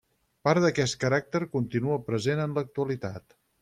Part d'aquest caràcter continua present en l'actualitat.